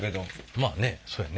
まあねそやね。